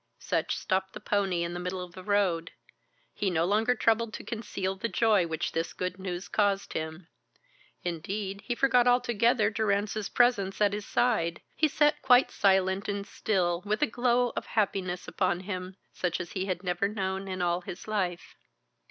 Sutch stopped the pony in the middle of the road. He no longer troubled to conceal the joy which this good news caused him. Indeed, he forgot altogether Durrance's presence at his side. He sat quite silent and still, with a glow of happiness upon him, such as he had never known in all his life.